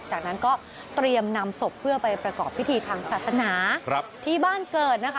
จากนั้นก็เตรียมนำศพเพื่อไปประกอบพิธีทางศาสนาที่บ้านเกิดนะคะ